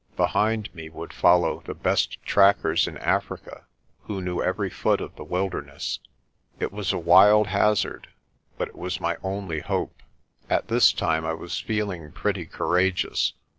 Be hind me would follow the best trackers in Africa who knew every foot of the wilderness. It was a wild hazard but it was my only hope. At this time I was feeling pretty cour ageous.